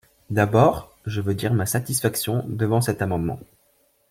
D’abord, je veux dire ma satisfaction devant cet amendement.